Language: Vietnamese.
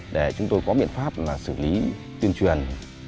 để chúng tôi có biện pháp là xử lý tuyên truyền